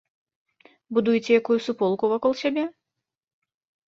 Будуеце якую суполку вакол сябе?